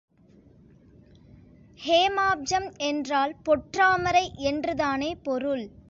ஹேமாப்ஜம் என்றால் பொற்றாமரை என்றுதானே பொருள்.